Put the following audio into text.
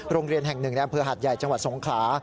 โรงเรียนแห่ง๑แดมเผือหัสใหญ่จังหวัดสงขา